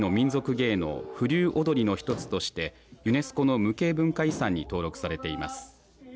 芸能風流踊の一つとしてユネスコの無形文化遺産に登録されています。